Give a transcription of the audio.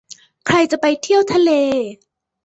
ใครจะไปเที่ยวทะเล